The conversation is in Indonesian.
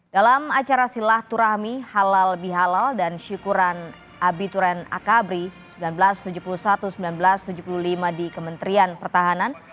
dalam acara silaturahmi halal bihalal dan syukuran abi turen akabri seribu sembilan ratus tujuh puluh satu seribu sembilan ratus tujuh puluh lima di kementerian pertahanan